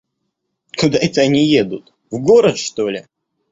Куда это они едут, в город, что ли?